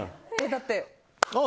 だって。